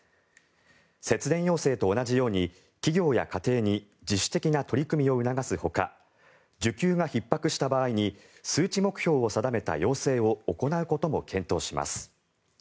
節電要請と同じように企業や家庭に自主的な取り組みを促すほか需給がひっ迫した場合に数値目標を定めた要請を行うことも検討します。